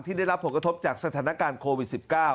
ได้รับผลกระทบจากสถานการณ์โควิด๑๙